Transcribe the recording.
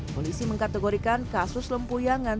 polisi mengkategorikan kasus lempuyangan